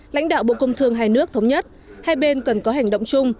lãnh đạo bộ công thương hai nước thống nhất hai bên cần có hành động chung